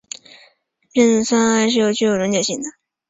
壬酸铵是具有溶解性的。